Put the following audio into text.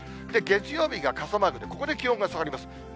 月曜日が傘マークで、ここで気温が下がります。